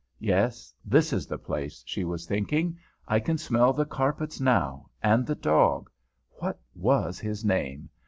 "Yes, that is the place," she was thinking. "I can smell the carpets now, and the dog, what was his name?